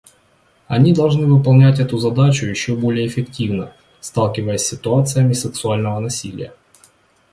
Они должны выполнять эту задачу еще более эффективно, сталкиваясь с ситуациями сексуального насилия.